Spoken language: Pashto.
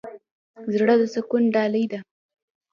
زړه د سکون ډالۍ ده.